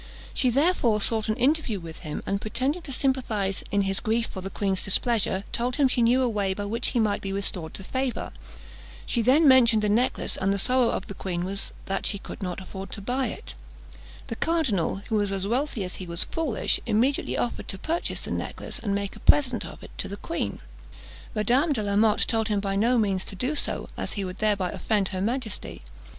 She therefore sought an interview with him, and pretending to sympathise in his grief for the queen's displeasure, told him she knew a way by which he might be restored to favour. She then mentioned the necklace, and the sorrow of the queen that she could not afford to buy it. The cardinal, who was as wealthy as he was foolish, immediately offered to purchase the necklace, and make a present of it to the queen. Madame de la Motte told him by no means to do so, as he would thereby offend her majesty.